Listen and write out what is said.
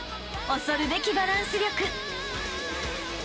［恐るべきバランス力］